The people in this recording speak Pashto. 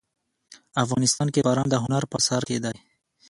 افغانستان کې باران د هنر په اثار کې دي.